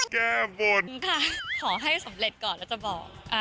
ขอให้สำเร็จก่อนแล้วจะบอก